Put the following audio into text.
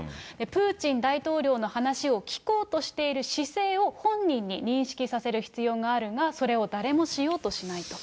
プーチン大統領の話を聞こうとしている姿勢を本人に認識させる必要があるが、それを誰もしようとしないと。